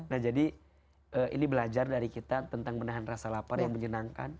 nah jadi ini belajar dari kita tentang menahan rasa lapar yang menyenangkan